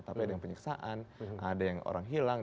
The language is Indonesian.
tapi ada yang penyiksaan ada yang orang hilang